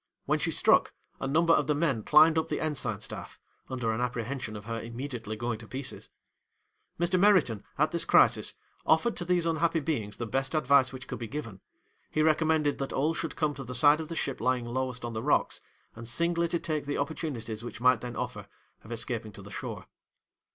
When she struck, a number of the men climbed up the ensign staff, under an apprehension of her immediately going to pieces. 'Mr. Meriton, at this crisis, offered to these unhappy beings the best advice which could be given; he recommended that all should come to the side of the ship lying lowest on the rocks, and singly to take the opportunities which might then offer, of escaping to the shore.